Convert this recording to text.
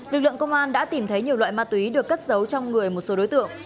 lực lượng công an đã tìm thấy nhiều loại ma túy được cất giấu trong người một số đối tượng